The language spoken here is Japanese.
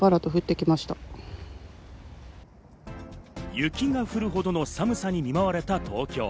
雪が降るほどの寒さに見舞われた東京。